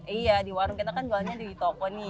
iya di warung kita kan jualnya di toko nih